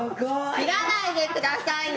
切らないでくださいね！